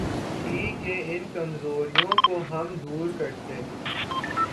تھی کہ ان کمزوریوں کو ہم دور کرتے۔